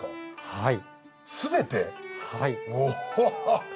はい。